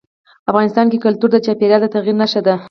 افغانستان کې کلتور د چاپېریال د تغیر نښه ده.